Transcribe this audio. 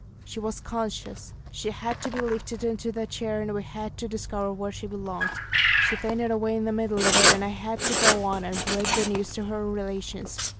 She was conscious; she had to be lifted into the chair, and we had to discover where she belonged; she fainted away in the middle of it, and I had to go on and break the news to her relations.